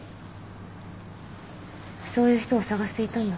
そういう人を探していたんだ。